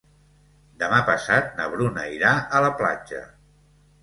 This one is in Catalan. Demà passat na Bruna irà a la platja.